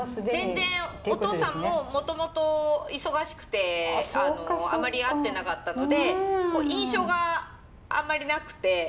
全然お父さんももともと忙しくてあまり会ってなかったので印象があんまりなくて。